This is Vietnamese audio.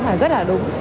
mà rất là đúng